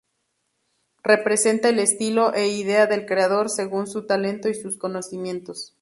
Representa el estilo e idea del creador, según su talento y sus conocimientos.